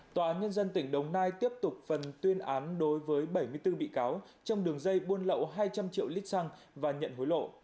tòa án nhân dân tỉnh đồng nai tiếp tục phần tuyên án đối với bảy mươi bốn bị cáo trong đường dây buôn lậu hai trăm linh triệu lít xăng và nhận hối lộ